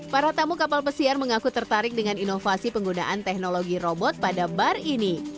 para tamu kapal pesiar mengaku tertarik dengan inovasi penggunaan teknologi robot pada bar ini